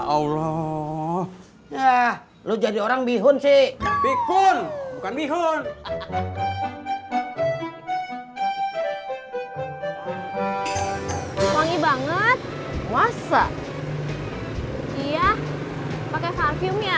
allah ah lu jadi orang bihun sih bikun bukan bihun wangi banget masa iya pakai parfum ya